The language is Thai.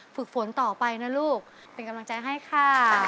ฝึกฝนต่อไปนะลูกเป็นกำลังใจให้ค่ะ